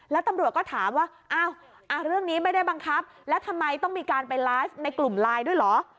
แล้วตำรวจก็ถามว่าอ้าวเรื่องนี้ไม่ได้บังคับแล้วทำไมต้องมีการไปไลฟ์ในกลุ่มไลน์ด้วยเหรอ